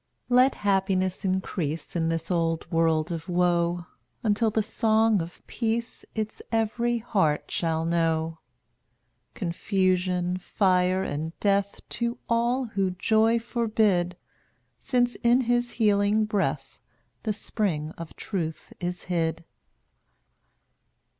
208 Let happiness increase In this old world of woe Until the song of Peace Its every heart shall know. Confusion, fire and death To all who Joy forbid, Since in his healing breath The spring of Truth is hid.